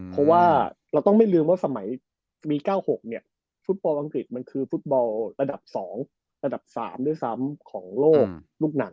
เพราะว่าเราต้องไม่ลืมว่าสมัยปี๙๖ฟุตบอลอังกฤษมันคือฟุตบอลระดับ๒ระดับ๓ด้วยซ้ำของโลกลูกหนัง